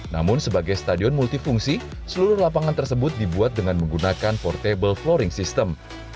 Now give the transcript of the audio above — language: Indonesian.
namun sebagai stadion multifungsi seluruh lapangan tersebut dibuat dengan menggunakan portable floring system